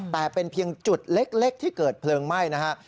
แต่เป็นเพียงจุดเล็กที่เกิดเพลิงไหม้นะฮะ